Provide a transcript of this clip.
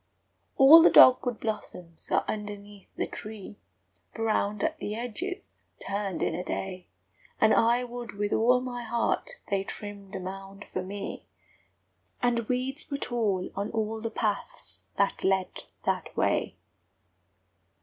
All the dog wood blossoms are underneath the tree, Browned at the edges, turned in a day; And I would with all my heart they trimmed a mound for me, And weeds were tall on all the paths that led that way!